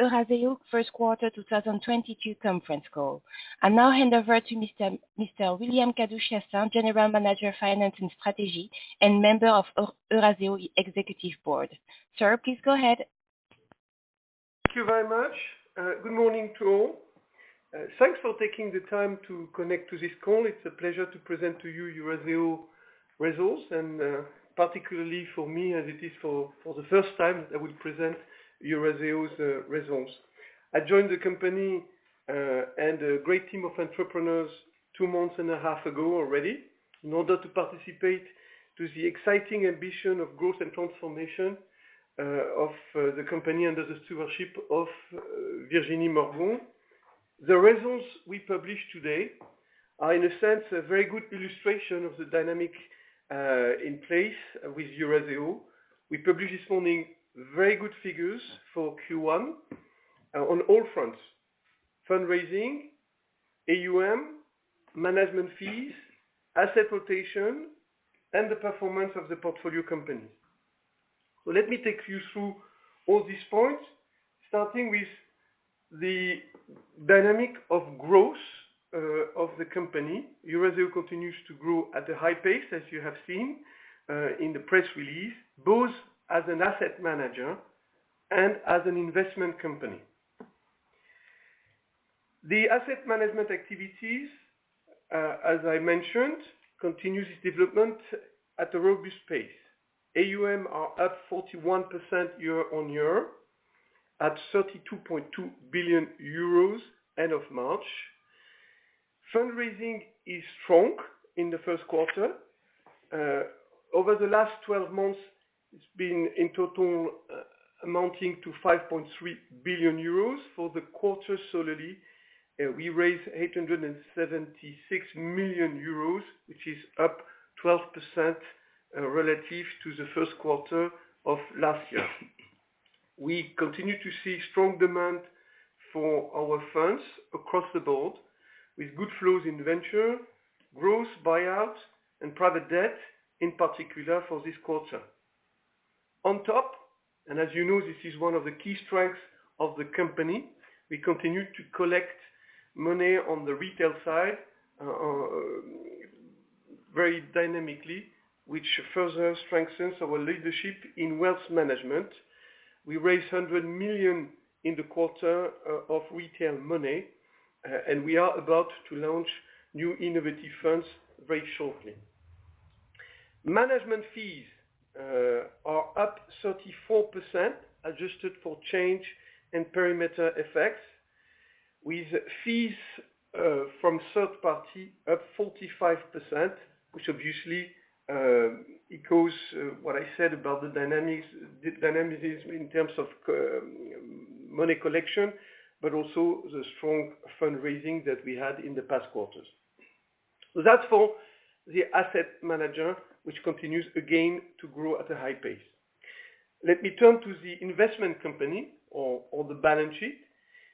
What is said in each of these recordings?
Eurazeo first quarter 2022 conference call. I now hand over to Mr. William Kadouch-Chassaing, General Manager of Finance and Strategy, and member of Eurazeo's Executive Board. Sir, please go ahead. Thank you very much. Good morning to all. Thanks for taking the time to connect to this call. It's a pleasure to present to you Eurazeo results, and, particularly for me, as it is for the first time, I will present Eurazeo's results. I joined the company, and a great team of entrepreneurs two months and a half ago already, in order to participate to the exciting ambition of growth and transformation, of the company under the stewardship of Virginie Morgon. The results we publish today are, in a sense, a very good illustration of the dynamic in place with Eurazeo. We publish this morning very good figures for Q1 on all fronts. Fundraising, AUM, management fees, asset rotation, and the performance of the portfolio company. Let me take you through all these points, starting with the dynamic of growth, of the company. Eurazeo continues to grow at a high pace, as you have seen, in the press release, both as an asset manager and as an investment company. The asset management activities, as I mentioned, continues its development at a robust pace. AUM are up 41% year-on-year, at 32.2 billion euros end of March. Fundraising is strong in the first quarter. Over the last 12 months, it's been in total amounting to 5.3 billion euros. For the quarter solely, we raised 876 million euros, which is up 12% relative to the first quarter of last year. We continue to see strong demand for our funds across the board, with good flows in venture, growth, buyouts, and private debt, in particular for this quarter. On top, and as you know, this is one of the key strengths of the company, we continue to collect money on the retail side very dynamically, which further strengthens our leadership in wealth management. We raised 100 million in the quarter of retail money, and we are about to launch new innovative funds very shortly. Management fees are up 34%, adjusted for currency and parameter effects, with fees from third-party up 45%, which obviously echoes what I said about the dynamics, the dynamism in terms of committed money collection, but also the strong fundraising that we had in the past quarters. That's for the asset manager, which continues again to grow at a high pace. Let me turn to the investment company or the balance sheet,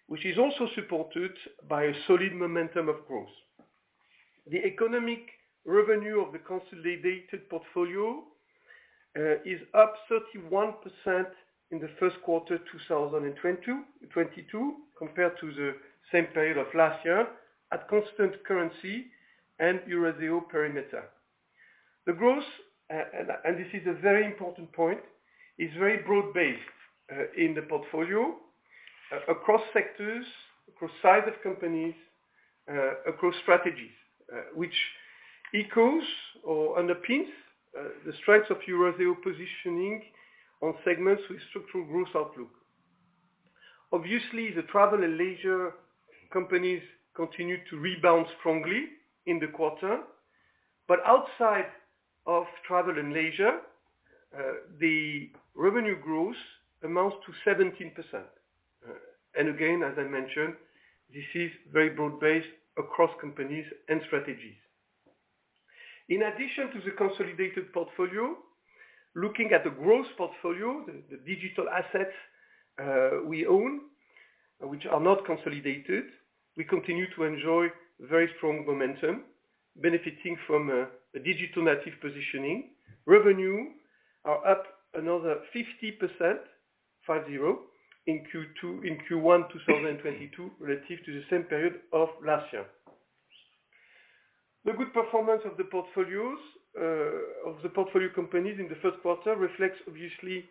which is also supported by a solid momentum of growth. The economic revenue of the consolidated portfolio is up 31% in the first quarter 2022 compared to the same period of last year at constant currency and Eurazeo parameter. The growth and this is a very important point, is very broad-based in the portfolio across sectors, across sizes of companies across strategies, which echoes or underpins the strengths of Eurazeo positioning on segments with structural growth outlook. Obviously, the travel and leisure companies continued to rebound strongly in the quarter. Outside of travel and leisure, the revenue growth amounts to 17%. Again, as I mentioned, this is very broad-based across companies and strategies. In addition to the consolidated portfolio, looking at the growth portfolio, the digital assets we own, which are not consolidated, we continue to enjoy very strong momentum, benefiting from a digital native positioning. Revenues are up another 50% in Q1 2022 relative to the same period of last year. The good performance of the portfolios of the portfolio companies in the first quarter reflects obviously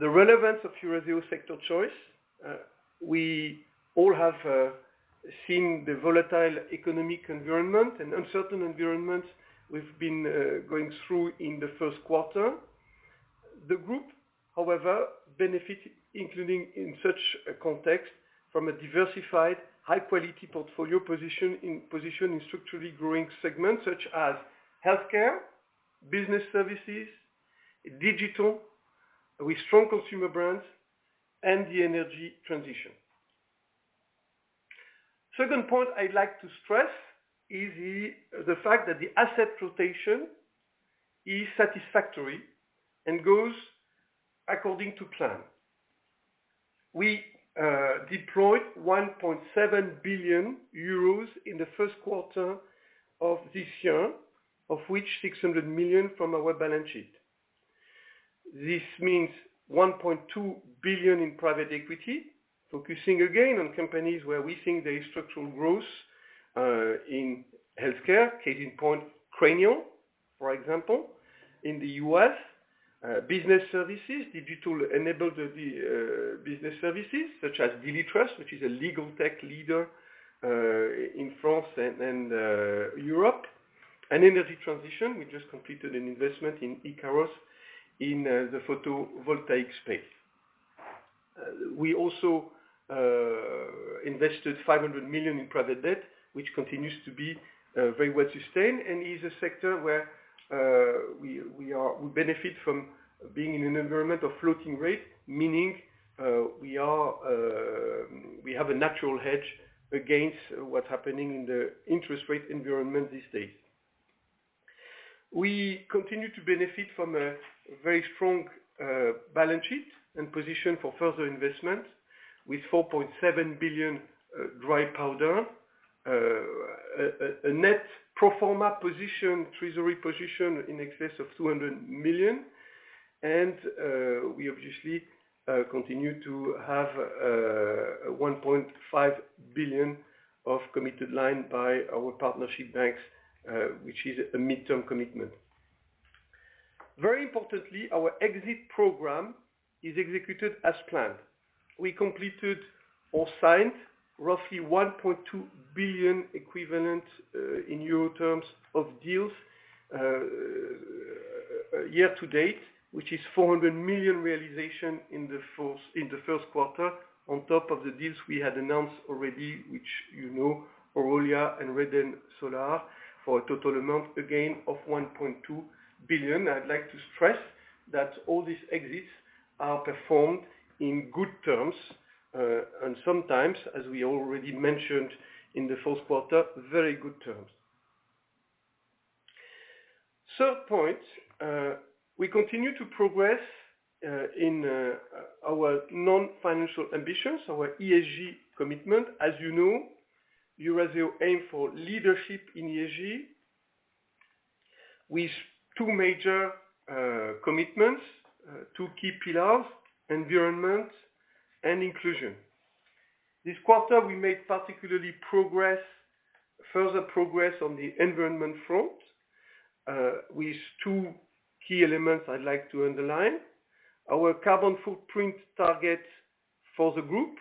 the relevance of Eurazeo's sector choice. We all have seen the volatile economic environment and uncertain environment we've been going through in the first quarter. The group, however, benefit including in such a context from a diversified, high-quality portfolio position in structurally growing segments such as healthcare, business services, digital with strong consumer brands, and the energy transition. Second point I'd like to stress is the fact that the asset rotation is satisfactory and goes according to plan. We deployed 1.7 billion euros in the first quarter of this year. Of which 600 million from our balance sheet. This means 1.2 billion in private equity, focusing again on companies where we think there is structural growth in healthcare, case in point, Cranial, for example. In the US, business services, digital enabled business services such as DiliTrust, which is a legal tech leader in France and Europe. Energy transition, we just completed an investment in Ikaros photovoltaic space. We also invested 500 million in private debt, which continues to be very well sustained and is a sector where we benefit from being in an environment of floating rate. Meaning, we have a natural hedge against what's happening in the interest rate environment these days. We continue to benefit from a very strong balance sheet and position for further investment with 4.7 billion dry powder. A net pro forma position, treasury position in excess of 200 million. We obviously continue to have 1.5 billion of committed line by our partnership banks, which is a midterm commitment. Very importantly, our exit program is executed as planned. We completed or signed roughly 1.2 billion equivalent in euro terms of deals year to date, which is 400 million realization in the first quarter on top of the deals we had announced already, which, you know, Orolia and Reden Solar, for a total amount again of 1.2 billion. I'd like to stress that all these exits are performed in good terms and sometimes, as we already mentioned in the first quarter, very good terms. Third point, we continue to progress in our non-financial ambitions, our ESG commitment. As you know, Eurazeo aim for leadership in ESG with two major commitments, two key pillars, environment and inclusion. This quarter, we made particular progress, further progress on the environment front with two key elements I'd like to underline. Our carbon footprint target for the group,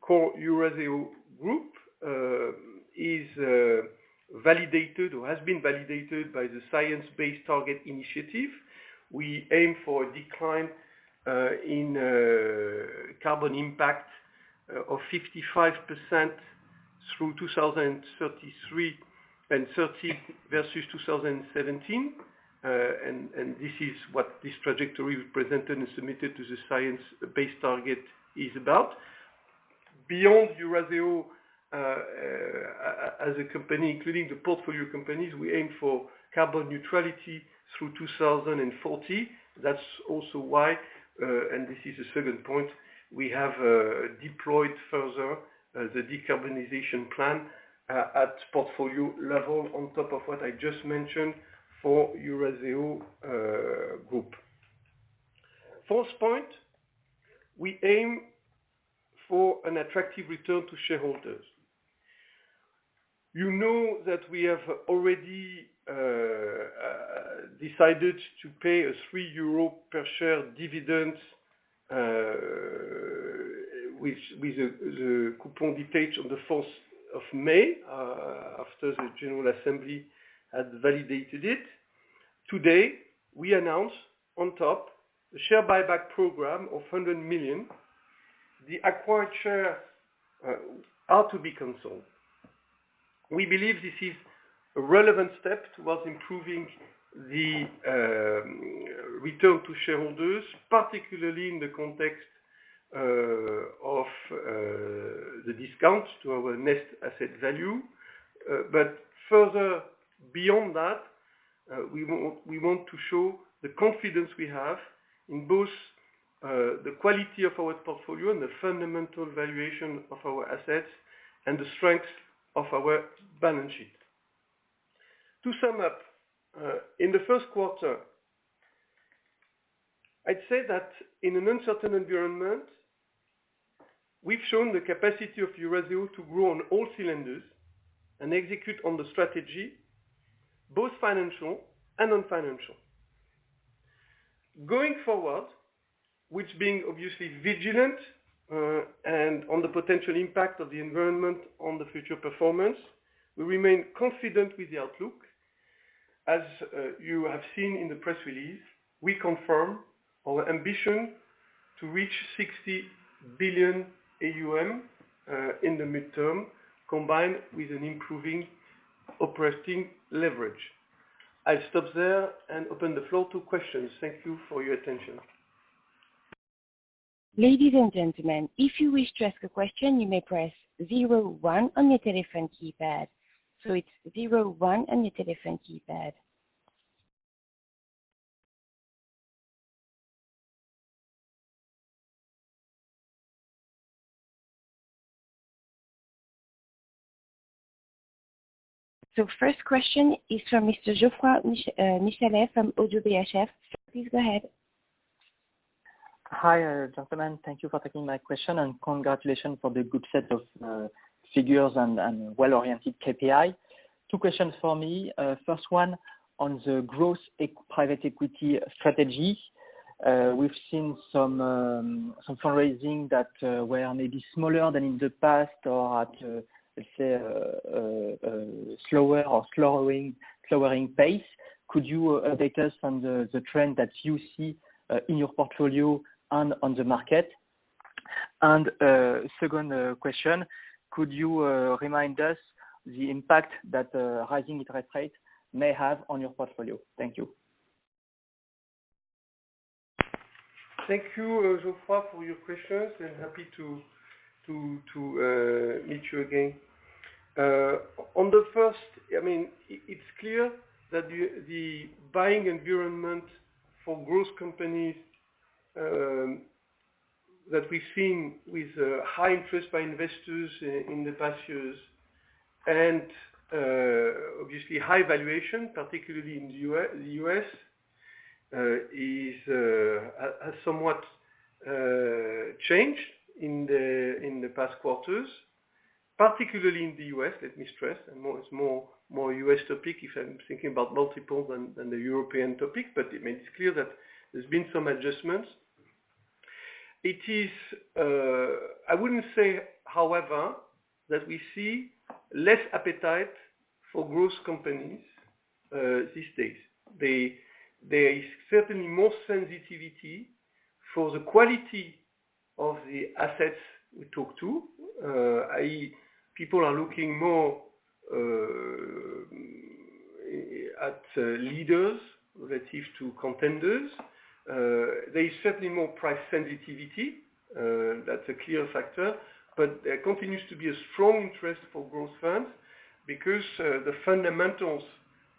core Eurazeo Group, is validated or has been validated by the Science Based Targets initiative. We aim for a decline in carbon impact of 55% through 2033, and 2030 versus 2017. This is what this trajectory represented and submitted to the Science Based Targets initiative is about. Beyond Eurazeo, as a company, including the portfolio companies, we aim for carbon neutrality through 2040. That's also why, and this is the second point, we have deployed further the decarbonization plan at portfolio level on top of what I just mentioned for Eurazeo Group. Fourth point, we aim for an attractive return to shareholders. You know that we have already decided to pay a 3 euro per share dividend, with the coupon date on the 4th of May, after the General Assembly has validated it. Today, we announce on top the share buyback program of 100 million. The acquired shares are to be canceled. We believe this is a relevant step towards improving the return to shareholders, particularly in the context of the discount to our net asset value. We want to show the confidence we have in both the quality of our portfolio and the fundamental valuation of our assets and the strength of our balance sheet. To sum up, in the first quarter, I'd say that in an uncertain environment, we've shown the capacity of Eurazeo to grow on all cylinders and execute on the strategy, both financial and non-financial. Going forward, while being obviously vigilant and on the potential impact of the environment on the future performance, we remain confident with the outlook. As you have seen in the press release, we confirm our ambition to reach 60 billion AUM in the midterm, combined with an improving operating leverage. I'll stop there and open the floor to questions. Thank you for your attention. Ladies and gentlemen, if you wish to ask a question, you may press zero-one on your telephone keypad. It's zero-one on your telephone keypad. First question is from Mr. Geoffroy Michalet from Oddo BHF. Please go ahead. Hi, gentlemen. Thank you for taking my question, and congratulations for the good set of figures and well-oriented KPI. Two questions for me. First one on the private equity strategy. We've seen some fundraising that were maybe smaller than in the past or at, let's say, slower or slowing pace. Could you update us on the trend that you see in your portfolio and on the market? Second question, could you remind us the impact that rising interest rates may have on your portfolio? Thank you. Thank you, Geoffroy, for your questions, and happy to meet you again. On the first, I mean, it's clear that the buying environment for growth companies that we've seen with high interest by investors in the past years and obviously high valuation, particularly in the U.S., has somewhat changed in the past quarters, particularly in the U.S., let me stress, and more, it's more a U.S. topic if I'm thinking about multiples than the European topic, but it is clear that there's been some adjustments. I wouldn't say, however, that we see less appetite for growth companies these days. There is certainly more sensitivity for the quality of the assets we talk to. i.e., people are looking more at leaders relative to contenders. There is certainly more price sensitivity. That's a clear factor, but there continues to be a strong interest for growth funds because the fundamentals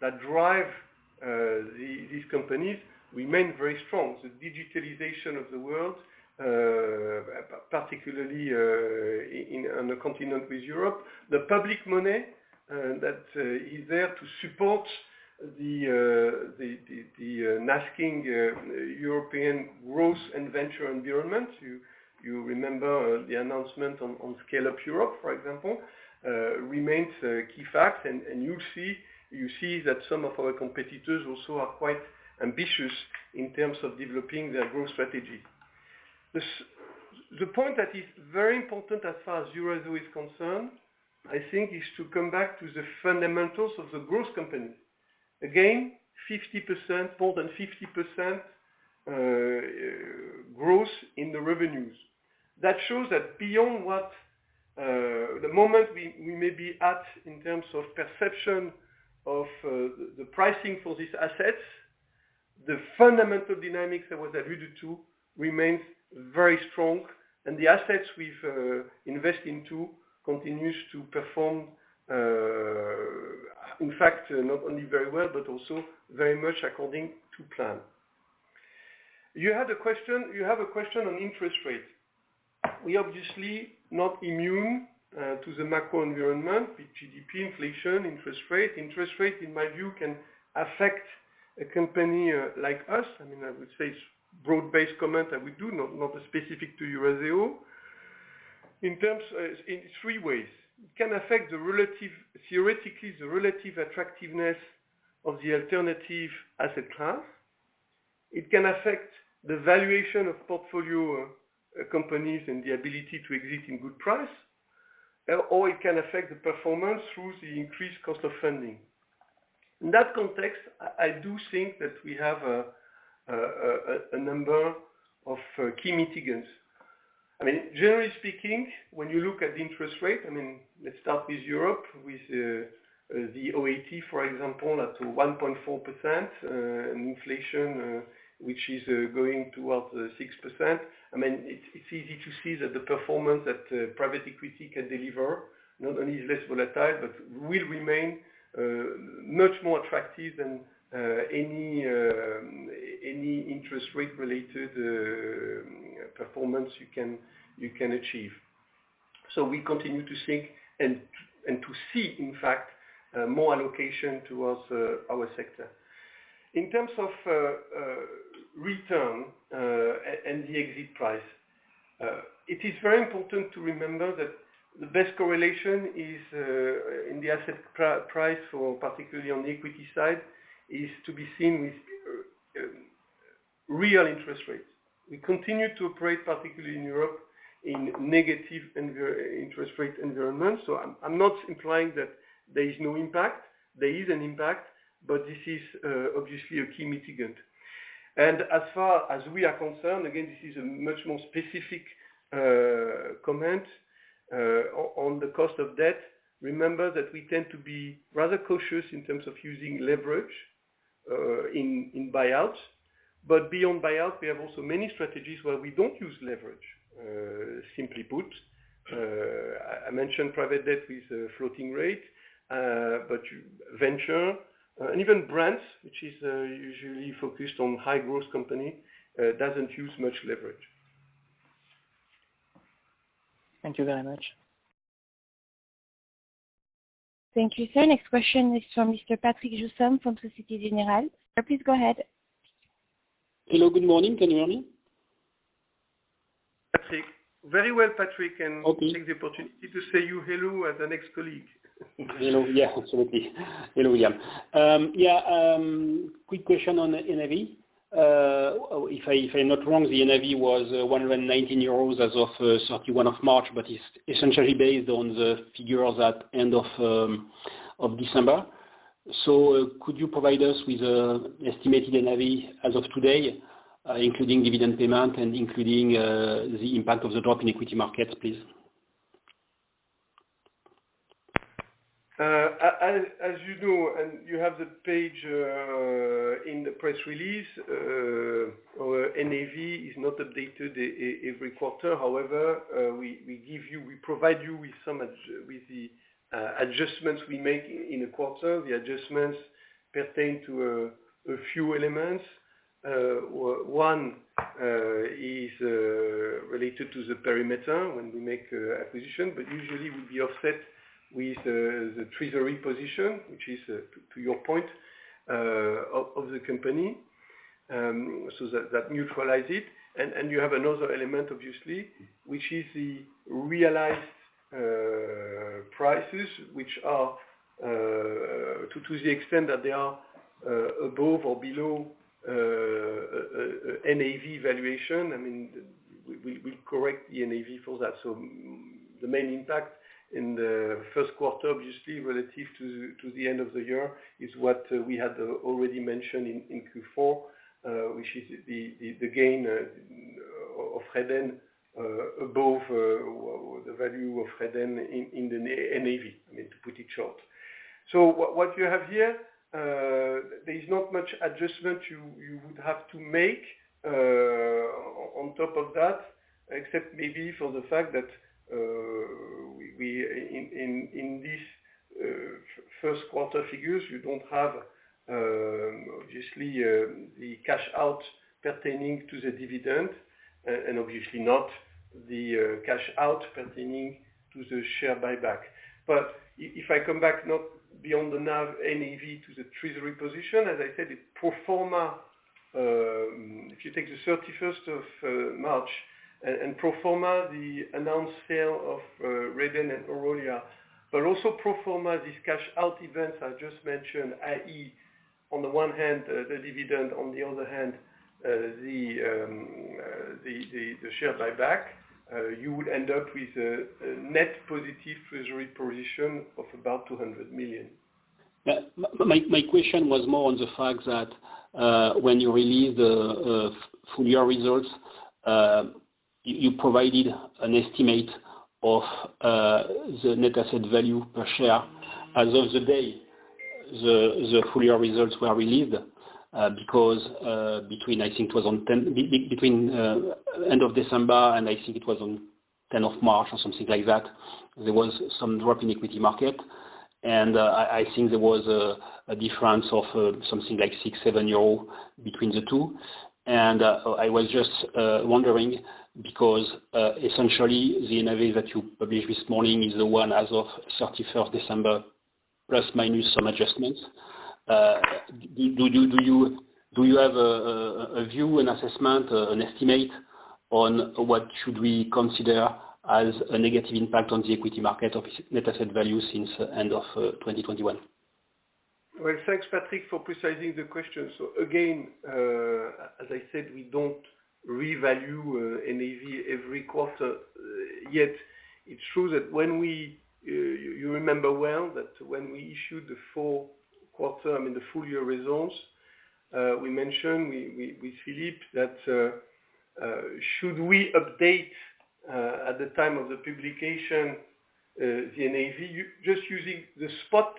that drive these companies remain very strong. The digitalization of the world, particularly in Europe on the continent. The public money that is there to support the nascent European growth and venture environment, you remember the announcement on Scale-up Europe, for example, remains a key fact. You see that some of our competitors also are quite ambitious in terms of developing their growth strategy. The point that is very important as far as Eurazeo is concerned, I think, is to come back to the fundamentals of the growth company. Again, 50%, more than 50% growth in the revenues. That shows that beyond what, the moment we may be at in terms of perception of, the pricing for these assets, the fundamental dynamics that was alluded to remains very strong. The assets we've invest into continues to perform, in fact, not only very well, but also very much according to plan. You have a question on interest rates. We're obviously not immune to the macro environment with GDP, inflation, interest rate. Interest rate, in my view, can affect a company like us, I mean, I would say it's broad-based comment that we do, not specific to Eurazeo, in three ways. It can affect the relative, theoretically, attractiveness of the alternative asset class. It can affect the valuation of portfolio companies and the ability to exit in good price. It can affect the performance through the increased cost of funding. In that context, I do think that we have a number of key mitigants. I mean, generally speaking, when you look at interest rate, I mean, let's start with Europe, with the OAT, for example, at 1.4%, and inflation, which is going towards 6%. I mean, it's easy to see that the performance that private equity can deliver not only is less volatile, but will remain much more attractive than any interest rate-related performance you can achieve. We continue to think and to see, in fact, more allocation towards our sector. In terms of return and the exit price, it is very important to remember that the best correlation is in the asset price, particularly on the equity side, is to be seen with real interest rates. We continue to operate, particularly in Europe, in negative interest rate environment, so I'm not implying that there is no impact. There is an impact, but this is obviously a key mitigant. As far as we are concerned, again, this is a much more specific comment on the cost of debt. Remember that we tend to be rather cautious in terms of using leverage in buyouts. Beyond buyouts, we have also many strategies where we don't use leverage. Simply put, I mentioned private debt with a floating rate, but venture and even Growth, which is usually focused on high-growth company, doesn't use much leverage. Thank you very much. Thank you, sir. Next question is from Mr. Patrick Jousseaume from Société Générale. Please go ahead. Hello, good morning. Good morning. Patrick. Very well, Patrick. Okay. Take the opportunity to say hello to you as an ex-colleague. Hello, yes, absolutely. Hello, yeah. Quick question on the NAV. If I'm not wrong, the NAV was 119 euros as of 31st March, but it's essentially based on the figures at end of December. Could you provide us with an estimated NAV as of today, including dividend payment and the impact of the drop in equity markets, please? As you know, and you have the page in the press release, our NAV is not updated every quarter. However, we provide you with the adjustments we make in a quarter. The adjustments pertain to a few elements. One is related to the perimeter when we make acquisition, but usually will be offset with the treasury position, which is to your point of the company, so that neutralize it. You have another element obviously, which is the realized prices, which are to the extent that they are above or below NAV valuation. I mean, we correct the NAV for that. The main impact in the first quarter, obviously, relative to the end of the year is what we had already mentioned in Q4, which is the gain of Reden above the value of Reden in the NAV, I mean, to put it short. What you have here, there is not much adjustment you would have to make on top of that, except maybe for the fact that in this first quarter figures, you don't have, obviously, the cash out pertaining to the dividend and obviously not the cash out pertaining to the share buyback. If I come back not beyond the NAV to the treasury position, as I said, it pro forma, if you take the 31st of March and pro forma the announced sale of Reden and Orolia. Also pro forma these cash out events I just mentioned, i.e., on the one hand, the dividend, on the other hand, the share buyback, you would end up with a net positive treasury position of about 200 million. Yeah. My question was more on the fact that when you release the full year results, you provided an estimate of the net asset value per share as of the day the full year results were released because between I think it was on 10th March or something like that, there was some drop in equity market. I think there was a difference of something like 6-7 euros between the two. I was just wondering because essentially the NAV that you published this morning is the one as of 31st December, plus minus some adjustments. Do you have a view, an assessment, an estimate on what should we consider as a negative impact on the equity market of net asset value since end of 2021? Well, thanks, Patrick, for precise the question. Again, as I said, we don't revalue NAV every quarter. Yet it's true that you remember well that when we issued the full quarter, I mean the full year results, we mentioned, with Philippe, that should we update at the time of the publication the NAV just using the spot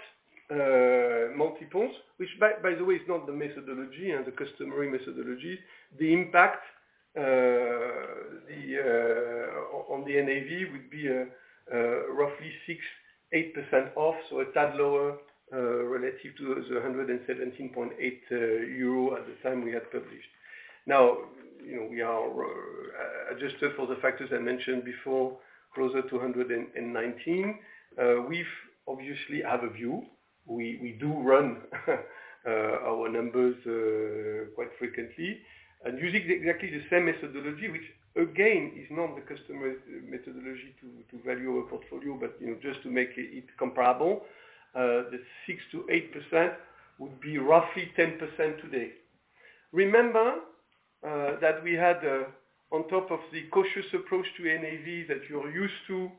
multiples, which by the way is not the methodology and the customary methodology. The impact on the NAV would be roughly 6-8% off, so a tad lower relative to the 117.8 euro at the time we had published. Now, you know, we are adjusted for the factors I mentioned before, closer to 119. We've obviously have a view. We do run our numbers quite frequently. Using exactly the same methodology, which again is not the customary methodology to value a portfolio, but you know, just to make it comparable, the 6%-8% would be roughly 10% today. Remember that we had on top of the cautious approach to NAV that you're used to,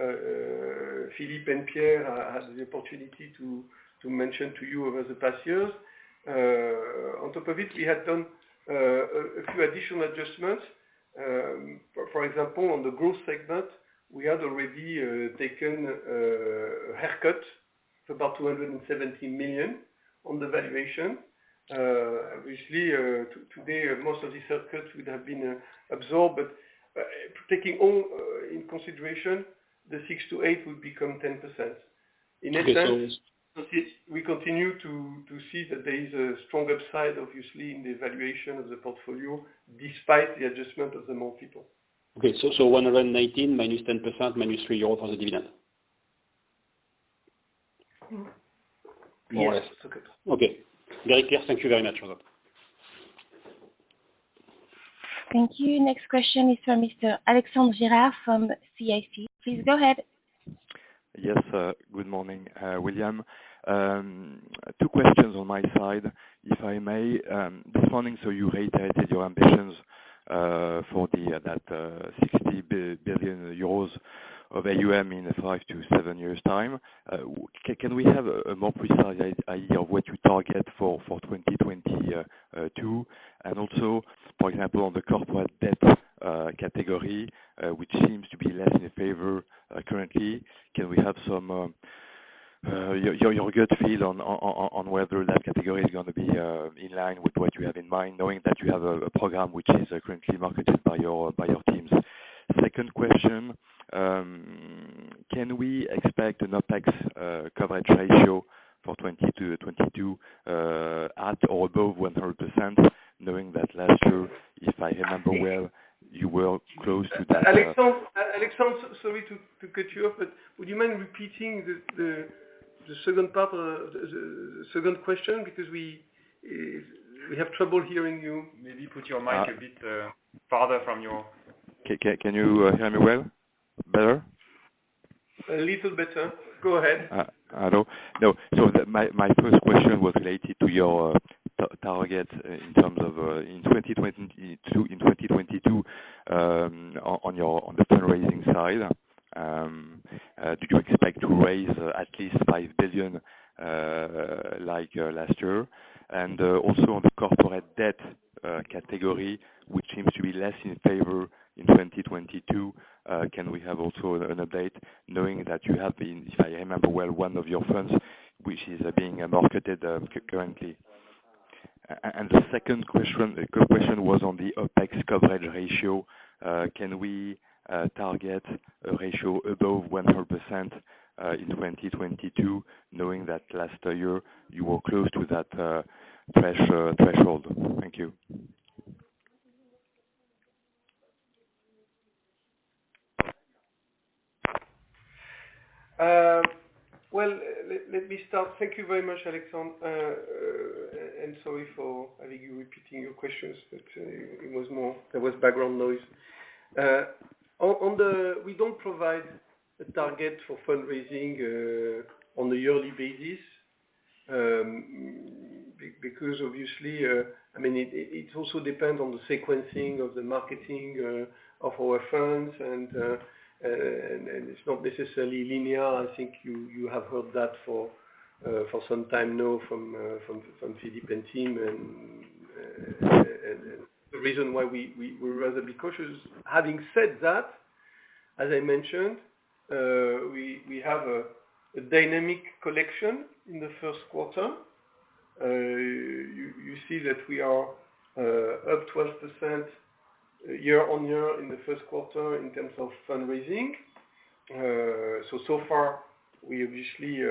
as Philippe and Pierre has the opportunity to mention to you over the past years. On top of it, we had done a few additional adjustments. For example, on the Growth segment, we had already taken a haircut of about 270 million on the valuation. Obviously, today, most of these such cuts would have been absorbed, but taking all in consideration, the 6%-8% will become 10%. Okay. In that sense, we continue to see that there is a strong upside, obviously, in the valuation of the portfolio, despite the adjustment of the multiple. 119 minus 10%, minus 3 euros for the dividend. More or less. Okay. Very clear. Thank you very much, William Kadouch-Chassaing. Thank you. Next question is from Mr. Alexandre Gérard from CIC. Please go ahead. Yes. Good morning, William. Two questions on my side, if I may. This morning, you reiterated your ambitions for that 60 billion euros of AUM in five to seven years' time. Can we have a more precise idea of what you target for 2022? And also, for example, on the corporate debt category, which seems to be less in favor currently. Can we have some of your good feel on whether that category is gonna be in line with what you have in mind, knowing that you have a program which is currently marketed by your teams. Second question, can we expect an OPEX coverage ratio for 2020-2022, at or above 100%, knowing that last year, if I remember well, you were close to that? Alexandre, sorry to cut you off, but would you mind repeating the second part or the second question? Because we have trouble hearing you. Maybe put your mic a bit farther from your. Can you hear me well, better? A little better. Go ahead. Hello. No, so my first question was related to your target in terms of in 2022 on the fundraising side. Do you expect to raise at least 5 billion like last year? Also on the corporate debt category, which seems to be less in favor in 2022, can we also have an update, knowing that you have been, if I remember well, one of your funds, which is being marketed currently. The second question, the core question was on the OPEX coverage ratio. Can we target a ratio above 100% in 2022, knowing that last year you were close to that threshold? Thank you. Let me start. Thank you very much, Alexandre. Sorry for having you repeating your questions, but it was more, there was background noise. On the....we don't provide a target for fundraising on a yearly basis, because obviously, I mean, it also depends on the sequencing of the marketing of our funds. It's not necessarily linear. I think you have heard that for some time now from Philippe and team. The reason why we'd rather be cautious. Having said that, as I mentioned, we have a dynamic collection in the first quarter. You see that we are up 12% year-on-year in the first quarter in terms of fundraising. So far we obviously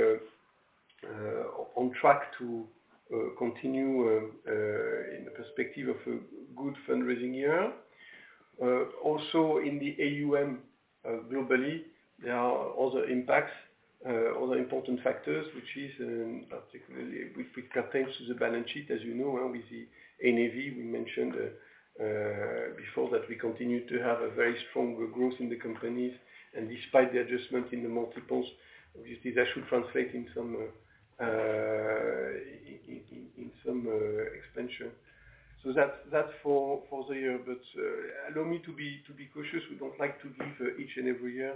on track to continue in the perspective of a good fundraising year. Also in the AUM globally, there are other impacts, other important factors, which is particularly with regards to the balance sheet, as you know well, with the NAV we mentioned before that we continue to have a very strong growth in the companies. Despite the adjustment in the multiples, obviously, that should translate in some expansion. That's for the year. Allow me to be cautious. We don't like to give each and every year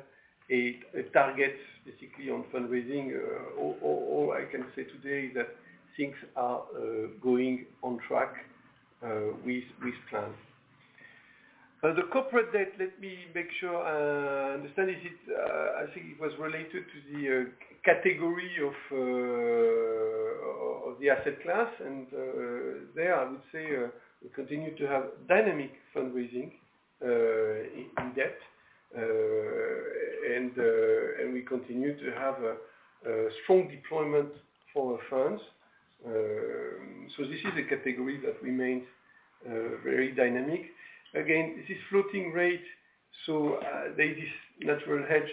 a target specifically on fundraising. All I can say today is that things are going on track with plans. The corporate debt, let me make sure I understand. Is it, I think it was related to the category of the asset class. There I would say we continue to have dynamic fundraising in debt. We continue to have a strong deployment for our funds. This is a category that remains very dynamic. Again, this is floating rate, so there is natural hedge.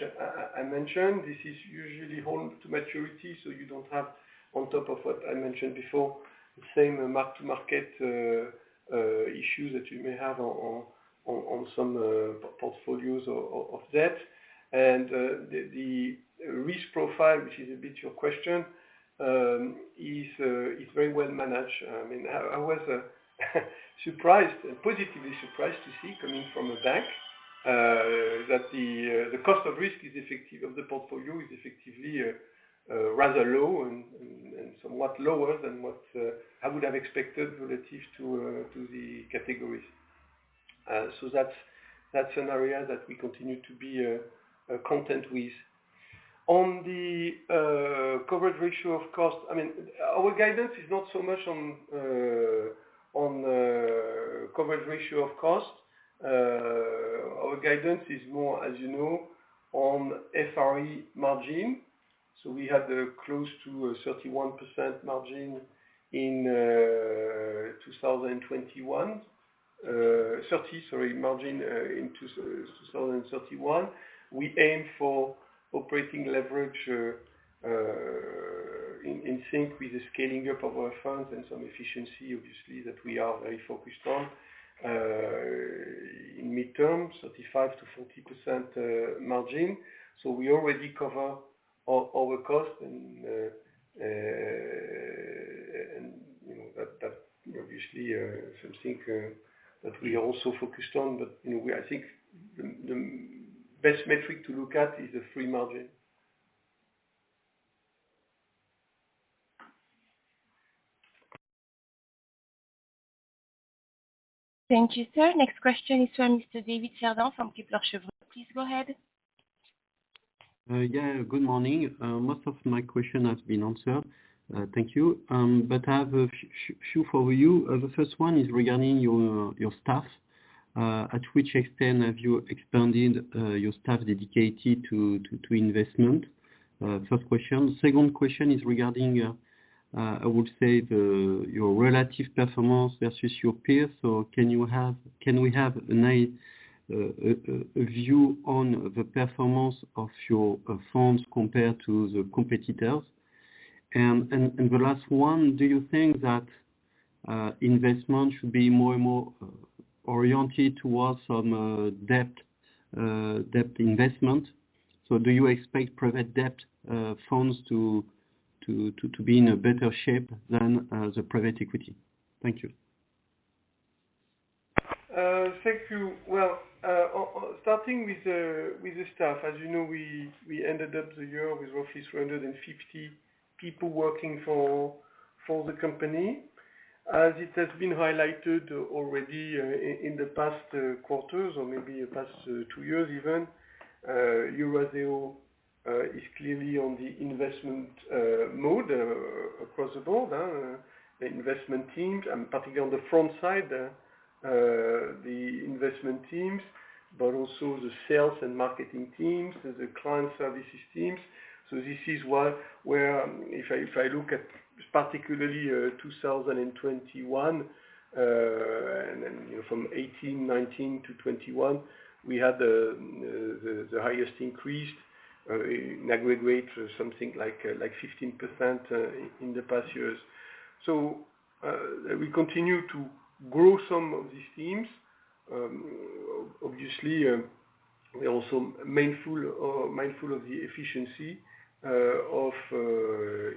I mentioned this is usually hold to maturity, so you don't have on top of what I mentioned before, the same mark to market issue that you may have on some portfolios of debt. The risk profile, which is a bit your question, is very well managed. I mean, I was surprised and positively surprised to see coming from a bank that the cost of risk of the portfolio is effectively rather low and somewhat lower than what I would have expected relative to the categories. That's an area that we continue to be content with. On the coverage ratio of cost. I mean, our guidance is not so much on coverage ratio of cost. Our guidance is more, as you know, on FRE margin. We had close to a 31% margin in 2021. 30, sorry, margin in 2031. We aim for operating leverage in sync with the scaling up of our funds and some efficiency, obviously, that we are very focused on. In mid-term, 35%-40% margin. We already cover all the costs and, you know, that obviously something that we are also focused on. You know, I think the best metric to look at is the free margin. Thank you, sir. Next question is from Mr. David Cerdan from Kepler Cheuvreux. Please go ahead. Yeah, good morning. Most of my question has been answered. Thank you. But I have a few for you. The first one is regarding your staff. At which extent have you expanded your staff dedicated to investment? First question. Second question is regarding your relative performance versus your peers. Can we have a nice view on the performance of your funds compared to the competitors? And the last one, do you think that investment should be more and more oriented towards some debt investment? Do you expect private debt funds to be in a better shape than the private equity? Thank you. Thank you. Well, starting with the staff. As you know, we ended up the year with roughly 450 people working for the company. As it has been highlighted already in the past quarters, or maybe the past two years even, Eurazeo is clearly on the investment mode across the board, investment teams, and particularly on the front side, the investment teams, but also the sales and marketing teams and the client services teams. This is where if I look at particularly 2021, and then, you know, from 2018, 2019 - 2021, we had the highest increase net growth rates or something like 15% in the past years. We continue to grow some of these teams. Obviously, we're also mindful of the efficiency of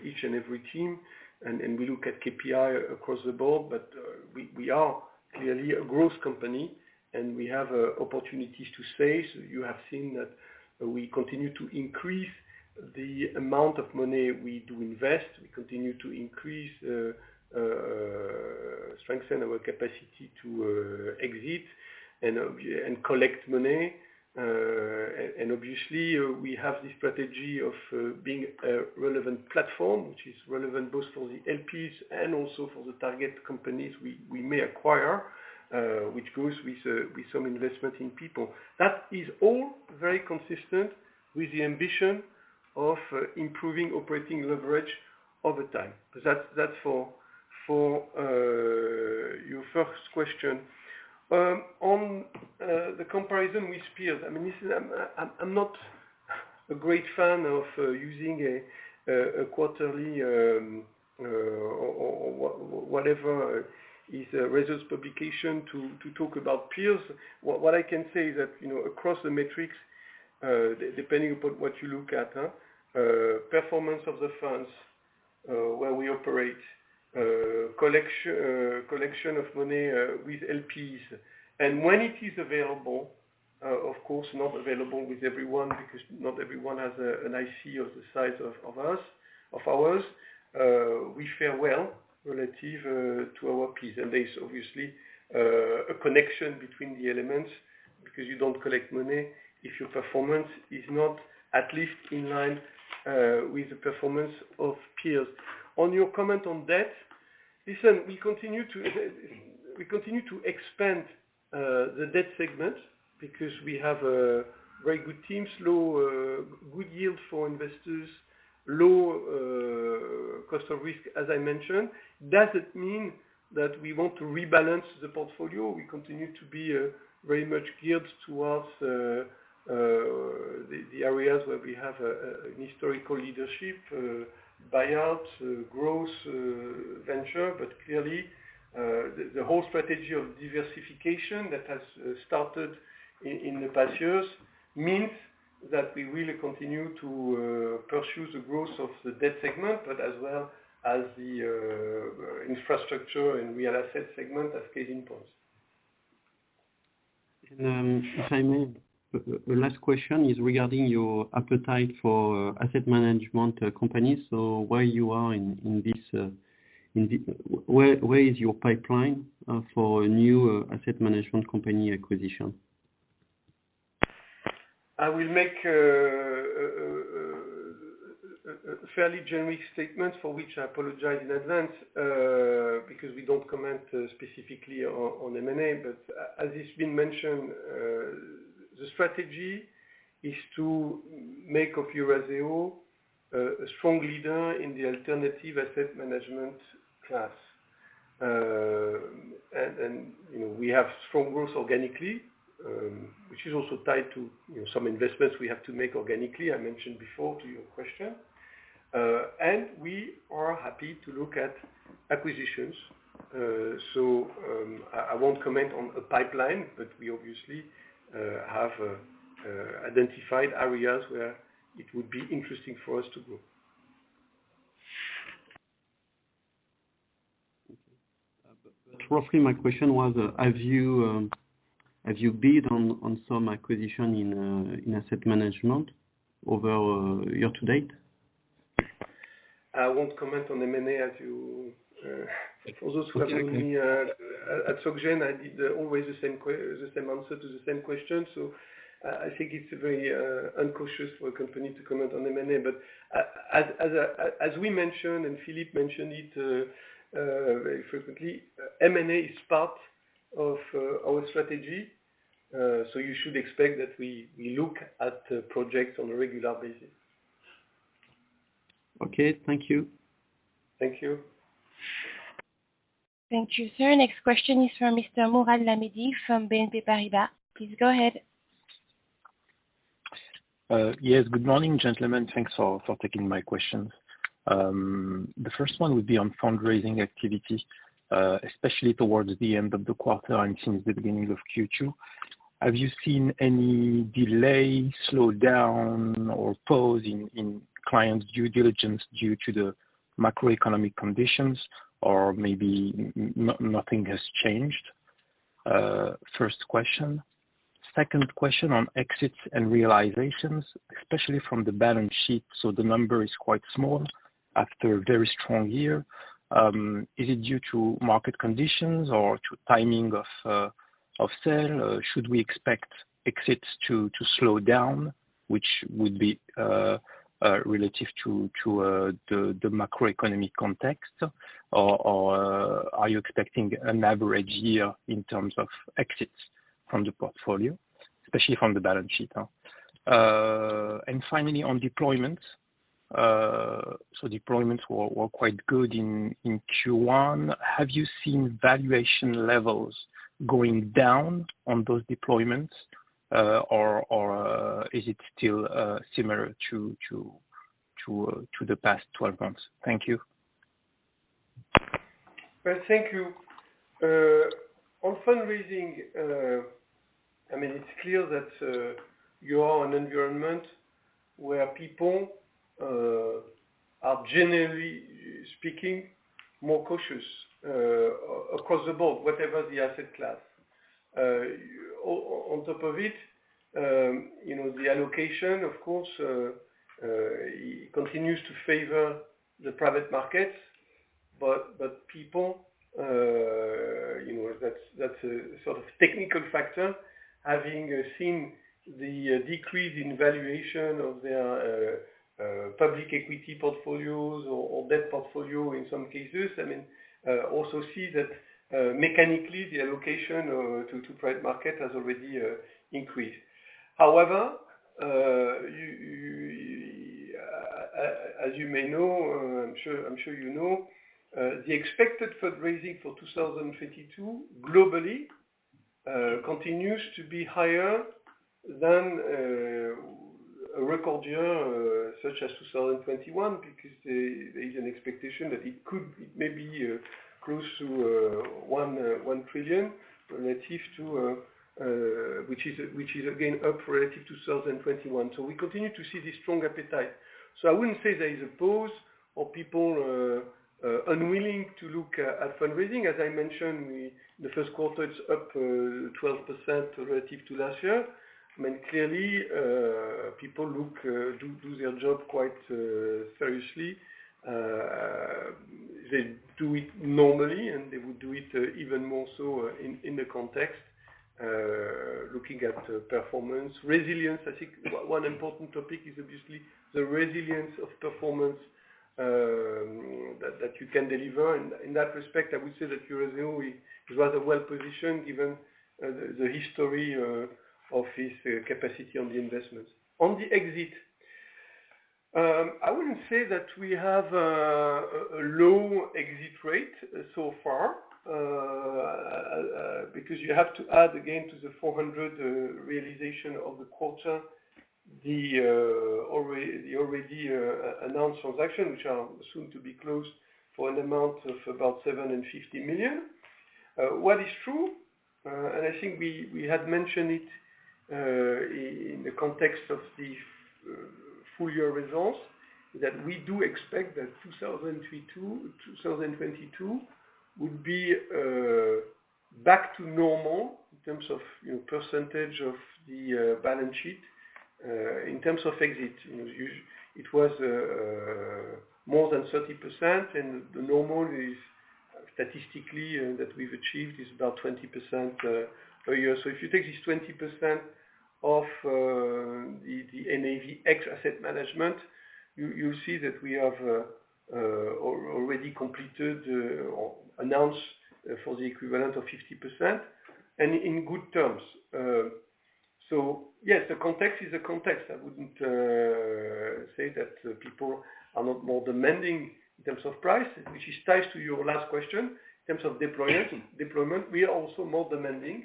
each and every team. We look at KPI across the board. We are clearly a growth company and we have opportunities to save. You have seen that we continue to increase the amount of money we do invest. We continue to strengthen our capacity to exit and collect money. Obviously, we have the strategy of being a relevant platform, which is relevant both for the LPs and also for the target companies we may acquire, which goes with some investment in people. That is all very consistent with the ambition of improving operating leverage all the time. That's for your first question. On the comparison with peers. I mean, this is, I'm not a great fan of using a quarterly or whatever is a results publication to talk about peers. What I can say is that, you know, across the metrics, depending upon what you look at, performance of the funds where we operate, collection of money with LPs. When it is available, of course, not available with everyone, because not everyone has an IC of the size of ours, we fare well relative to our peers. There's obviously a connection between the elements, because you don't collect money if your performance is not at least in line with the performance of peers. On your comment on debt. Listen, we continue to expand the debt segment because we have very good teams, low, good yield for investors, low cost of risk, as I mentioned. Does it mean that we want to rebalance the portfolio? We continue to be very much geared towards the areas where we have an historical leadership, buyouts, growth, venture. Clearly, the whole strategy of diversification that has started in the past years means that we really continue to pursue the growth of the debt segment, but as well as the infrastructure and real asset segment as cash improves. If I may, the last question is regarding your appetite for asset management companies. Where is your pipeline for new asset management company acquisition? I will make a fairly generic statement for which I apologize in advance, because we don't comment specifically on M&A. As it's been mentioned, the strategy is to make of Eurazeo a strong leader in the alternative asset management class. You know, we have strong growth organically, which is also tied to you know, some investments we have to make organically. I mentioned before to your question. We are happy to look at acquisitions. I won't comment on a pipeline, but we obviously have identified areas where it would be interesting for us to grow. Okay. Roughly, my question was, have you bid on some acquisition in asset management over year to date? I won't comment on M&A as you, Exactly. For those who have known me at Société Générale, I did always the same answer to the same question. I think it's very incautious for a company to comment on M&A. As we mentioned, and Philippe mentioned it very frequently, M&A is part of our strategy. You should expect that we look at projects on a regular basis. Okay. Thank you. Thank you. Thank you, sir. Next question is from Mr. Mourad Lahmidi from BNP Paribas. Please go ahead. Yes. Good morning, gentlemen. Thanks for taking my questions. The first one would be on fundraising activity, especially towards the end of the quarter and since the beginning of Q2. Have you seen any delay, slowdown, or pause in client due diligence due to the macroeconomic conditions? Or maybe nothing has changed? First question. Second question on exits and realizations, especially from the balance sheet. The number is quite small after a very strong year. Is it due to market conditions or to timing of sale? Or should we expect exits to slow down, which would be relative to the macroeconomic context? Or are you expecting an average year in terms of exits from the portfolio, especially from the balance sheet? Finally, on deployments. Deployments were quite good in Q1. Have you seen valuation levels going down on those deployments? Or is it still similar to the past 12 months? Thank you. Well, thank you. On fundraising, I mean, it's clear that we're in an environment where people are generally speaking more cautious across the board, whatever the asset class. On top of it, you know, the allocation of course continues to favor the private markets. People, you know, that's a sort of technical factor. Having seen the decrease in valuation of their public equity portfolios or debt portfolio in some cases, I mean, we also see that mechanically the allocation to private markets has already increased. However, as you may know, I'm sure you know, the expected fundraising for 2022 globally continues to be higher than a record year such as 2021, because there is an expectation that it could maybe close to $1 trillion, which is again up relative to 2021. We continue to see this strong appetite. I wouldn't say there is a pause or people unwilling to look at fundraising. As I mentioned, the first quarter is up 12% relative to last year. I mean, clearly, people look to do their job quite seriously. They do it normally, and they would do it even more so in the context looking at performance. Resilience, I think one important topic is obviously the resilience of performance that you can deliver. In that respect, I would say that Eurazeo is rather well-positioned given the history of its capacity on the investments. On the exit, I wouldn't say that we have a low exit rate so far, because you have to add again to the 400 realization of the quarter, the already announced transaction, which are soon to be closed for an amount of about 750 million. What is true, I think we had mentioned it in the context of the full-year results, that we do expect that 2022 will be back to normal in terms of, you know, percentage of the balance sheet. In terms of exit, you know, it was more than 30%, and the normal is statistically and that we've achieved is about 20% per year. If you take this 20% of the NAV ex asset management, you see that we have already completed or announced for the equivalent of 50%, and in good terms. Yes, the context is the context. I wouldn't say that people are lot more demanding in terms of price, which is tied to your last question, in terms of deployment. We are also more demanding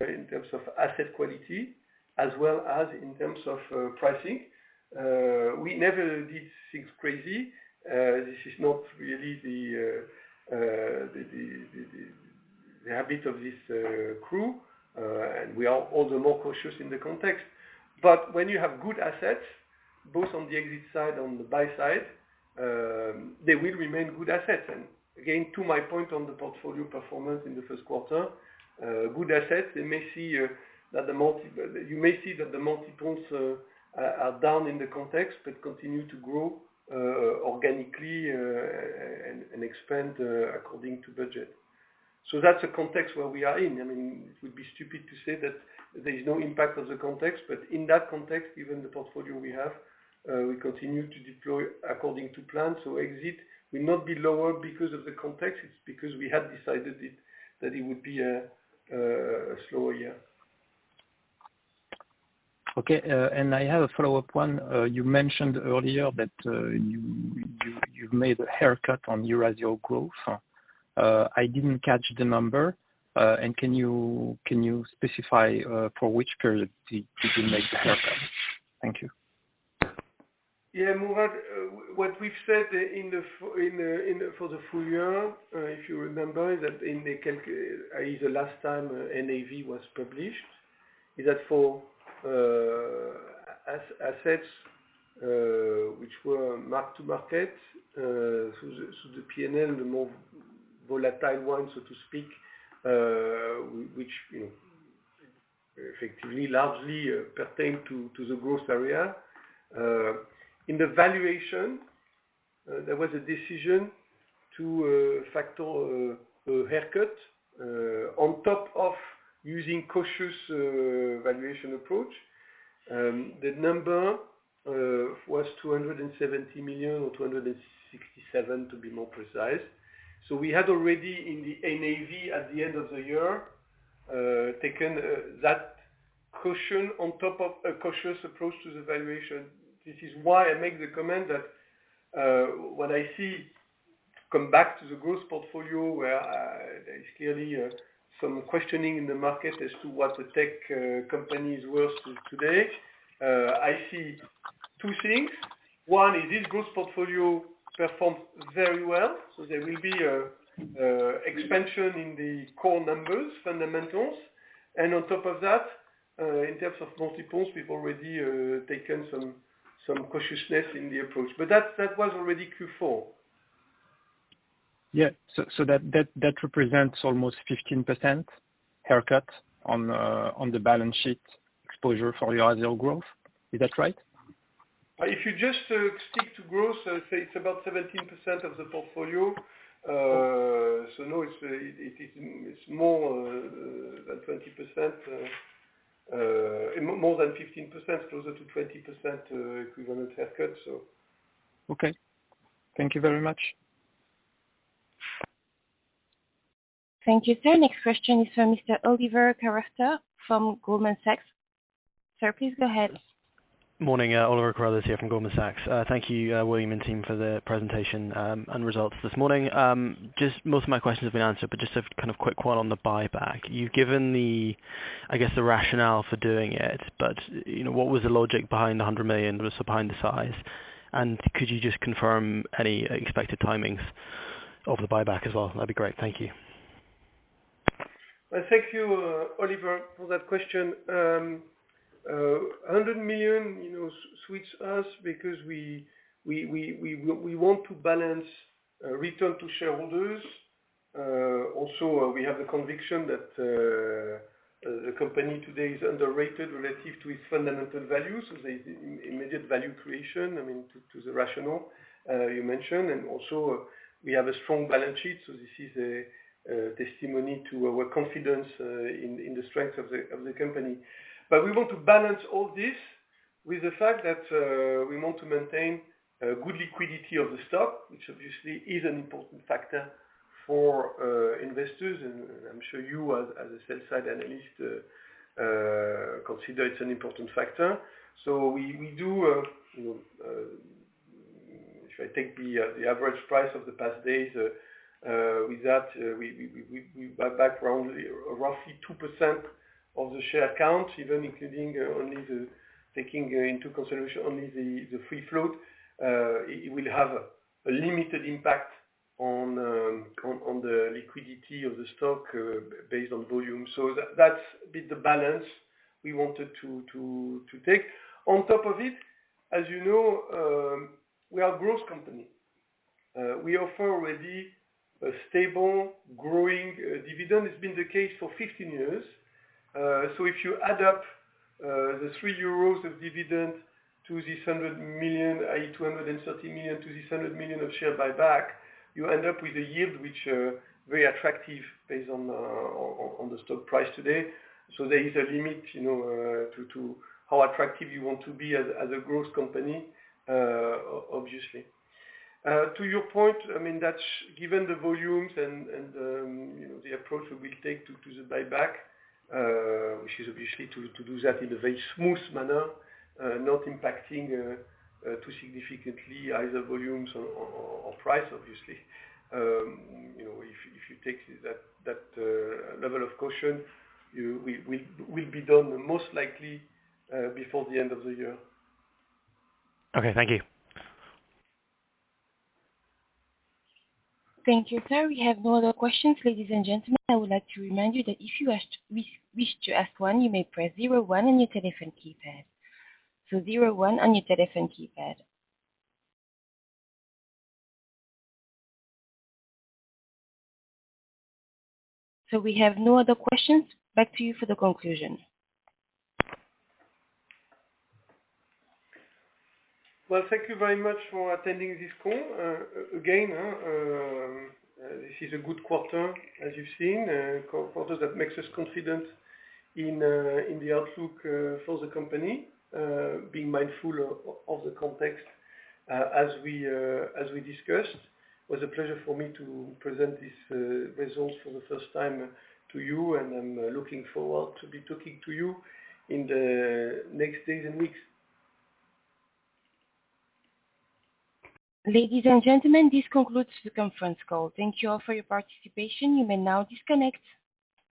in terms of asset quality as well as in terms of pricing. We never did things crazy. This is not really the habit of this crew and we are all the more cautious in the context. When you have good assets, both on the exit side and on the buy side, they will remain good assets. Again, to my point on the portfolio performance in the first quarter, good assets. They may see that the multiples are down in the context, but continue to grow organically and expand according to budget. That's the context where we are in. I mean, it would be stupid to say that there is no impact of the context, but in that context, even the portfolio we have, we continue to deploy according to plan. Exit will not be lower because of the context, it's because we had decided it, that it would be a slower year. Okay, I have a follow-up one. You mentioned earlier that you've made a haircut on Eurazeo Growth. I didn't catch the number. Can you specify for which period did you make the haircut? Thank you. Yeah, Mourad. What we've said for the full year, if you remember, is that in the calculation, i.e., the last time NAV was published, for assets which were marked to market through the P&L, the more volatile one, so to speak, which you know effectively largely pertain to the Growth area. In the valuation, there was a decision to factor a haircut on top of using cautious valuation approach. The number was 270 million, or 267 to be more precise. We had already in the NAV at the end of the year taken that cushion on top of a cautious approach to the valuation. This is why I make the comment that, when I see, come back to the growth portfolio where, there's clearly some questioning in the market as to what the tech company is worth today. I see two things. One is this growth portfolio performed very well, so there will be an expansion in the core numbers, fundamentals. On top of that, in terms of multiples, we've already taken some cautiousness in the approach. That was already Q4. That represents almost 15% haircut on the balance sheet exposure for Eurazeo Growth. Is that right? If you just stick to growth, I would say it's about 17% of the portfolio. No, it's more than 20%. More than 15%, closer to 20%, equivalent haircut, so. Okay. Thank you very much. Thank you, sir. Next question is from Mr. Oliver Carruthers from Goldman Sachs. Sir, please go ahead. Morning. Oliver Carruthers here from Goldman Sachs. Thank you, William and team for the presentation and results this morning. Most of my questions have been answered, but just a kind of quick one on the buyback. You've given the, I guess, the rationale for doing it, but, you know, what was the logic behind the 100 million, what was behind the size? Could you just confirm any expected timings of the buyback as well? That'd be great. Thank you. Thank you, Oliver, for that question. 100 million, you know, suits us because we want to balance return to shareholders. Also, we have the conviction that the company today is underrated relative to its fundamental value. The immediate value creation, I mean, to the rationale you mentioned. Also we have a strong balance sheet, so this is a testimony to our confidence in the strength of the company. We want to balance all this with the fact that we want to maintain good liquidity of the stock, which obviously is an important factor for investors. I'm sure you as a sell side analyst consider it's an important factor. We do, you know, if I take the average price of the past days with that, we buy back around roughly 2% of the share count, even including only the taking into consideration only the free float. It will have a limited impact on the liquidity of the stock based on volume. That's been the balance we wanted to take. On top of it, as you know, we are growth company. We offer already a stable growing dividend. It's been the case for 15 years. If you add up the 3 euros of dividend to this 100 million, i.e., 230 million to this 100 million of share buyback, you end up with a yield which very attractive based on the stock price today. There is a limit, you know, to how attractive you want to be as a growth company, obviously. To your point, I mean, that's given the volumes and, you know, the approach we'll take to the buyback, which is obviously to do that in a very smooth manner, not impacting too significantly either volumes or price obviously. You know, if you take that level of caution, we'll be done most likely before the end of the year. Okay. Thank you. Thank you, sir. We have no other questions. Ladies and gentlemen, I would like to remind you that if you wish to ask one, you may press zero one on your telephone keypad. Zero one on your telephone keypad. We have no other questions. Back to you for the conclusion. Well, thank you very much for attending this call. Again, this is a good quarter as you've seen that makes us confident in the outlook for the company, being mindful of the context as we discussed. Was a pleasure for me to present this results for the first time to you, and I'm looking forward to be talking to you in the next days and weeks. Ladies and gentlemen, this concludes the conference call. Thank you all for your participation. You may now disconnect.